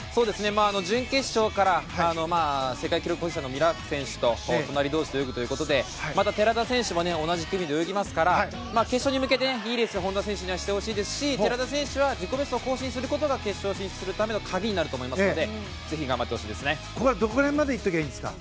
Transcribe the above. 準決勝から世界記録保持者のミラーク選手と隣同士で泳ぐということでまた寺田選手も同じ組で泳ぎますから決勝に向けていいレースを本多選手にしてほしいですし寺田選手は自己ベストを更新することが決勝進出への鍵になると思いますのでどこらへんまでいっておけばいいですか？